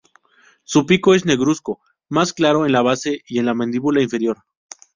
Su pico es negruzco, más claro en la base y la mandíbula inferior.